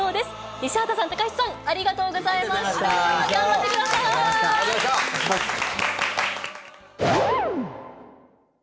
西畑さん、高橋さん、ありがとうありがとうございました。